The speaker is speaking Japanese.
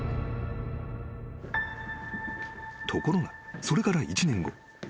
［ところがそれから１年後。